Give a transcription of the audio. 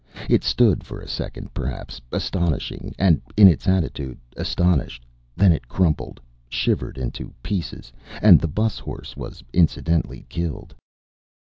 It stood for a second perhaps, astonishing and in its attitude astonished, then it crumpled, shivered into pieces, and the 'bus horse was incidentally killed.